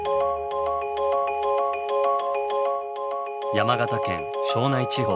山形県庄内地方